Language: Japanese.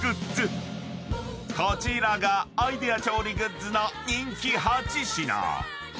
［こちらがアイデア調理グッズの人気８品］